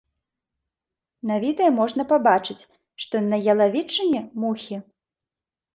На відэа можна пабачыць, што на ялавічыне мухі.